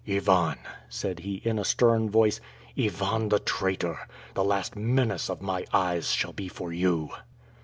"Ivan," said he, in a stern voice, "Ivan the Traitor, the last menace of my eyes shall be for you!"